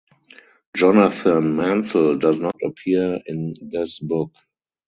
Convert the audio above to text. Jonathan Mansel does not appear in this book.